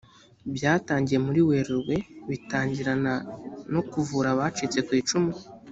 byatangiye muri werurwe bitangirana no kuvura abacitse ku icumu